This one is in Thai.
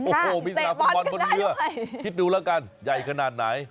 โอ้โหมีสนามฟุตบอลบนเรือคิดดูแล้วกันใหญ่ขนาดไหน